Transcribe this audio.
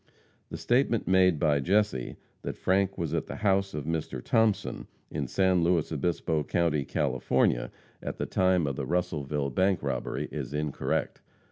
The statement made by Jesse that Frank was at the house of Mr. Thompson, in San Luis Obispo county, California, at the time of the Russellville bank robbery, is incorrect.